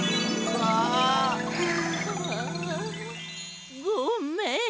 あ。ごめん。